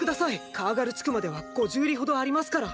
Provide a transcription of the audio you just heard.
カーガル地区までは５０里ほどありますから。